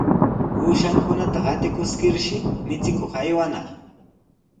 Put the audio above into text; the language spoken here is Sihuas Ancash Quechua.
Uushankunata qatikuskirshi michikuq aywanaq.